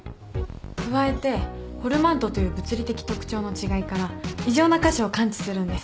加えてホルマントという物理的特徴の違いから異常な箇所を感知するんです。